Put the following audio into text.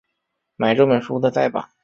买这本书的再版